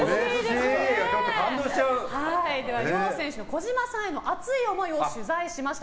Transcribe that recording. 両選手の児嶋さんへの熱い思いを取材しました。